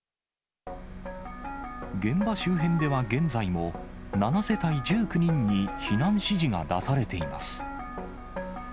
現場周辺では現在も、７世帯１９人に避難指示が出されています。